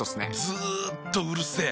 ずっとうるせえ。